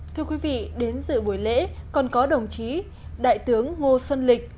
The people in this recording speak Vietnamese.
thưa quý vị đến dự buổi lễ còn có đồng chí đại tướng ngô xuân lịch